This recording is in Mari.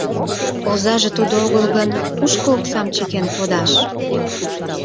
— Озаже тудо огыл гын, кушко оксам чыкен кодаш?